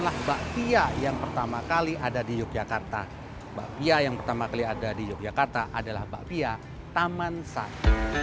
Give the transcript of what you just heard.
bapak pia yang pertama kali ada di yogyakarta adalah bapak pia taman sari